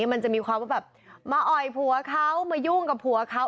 มันจะมีความว่าแบบมาอ่อยผัวเขามายุ่งกับผัวเขา